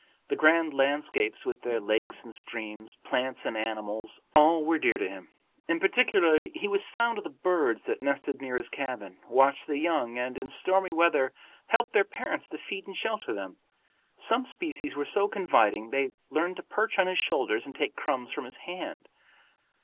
The grand landscapes with their lakes and streams, plants and animals, all were dear to him. In particular he was fond of the birds that nested near his cabin, watched the young, and in stormy weather helped their parents to feed and shelter them. Some species were so confiding they learned to perch on his shoulders and take crumbs from his hand.